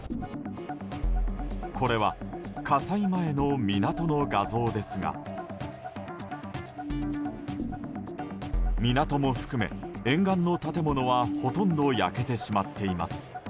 これは火災前の港の画像ですが港も含め、沿岸の建物はほとんど焼けてしまっています。